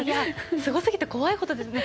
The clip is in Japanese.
すごすぎて怖いですね。